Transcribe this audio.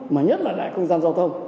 mà nhất là lại không gian giao thông